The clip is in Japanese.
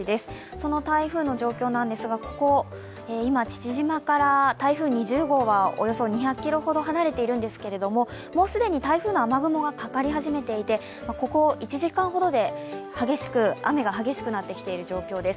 その台風の状況なんですが、今、父島から台風２０号はおよそ２００ｋｍほど離れているんですが、既に台風の雨雲がかかり始めていて、ここ１時間ほどで雨が激しくなってきている状況です。